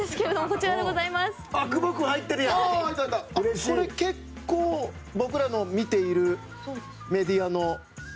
これ結構僕らの見ているメディアの。